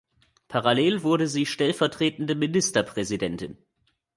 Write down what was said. Parallel wurde sie stellvertretende Ministerpräsidentin.